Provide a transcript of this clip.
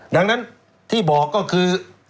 ดังนั้นที่บอกก็คือ